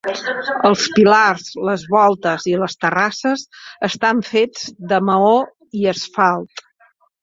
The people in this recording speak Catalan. Els pilars, les voltes i les terrasses estan fets de maó i asfalt.